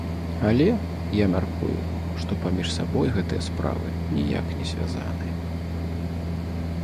Але, я мяркую, што паміж сабой гэтыя справы ніяк не звязаны.